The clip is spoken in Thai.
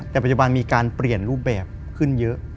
แต่ปัจจุบันมีการเปลี่ยนรูปแบบขึ้นเยอะ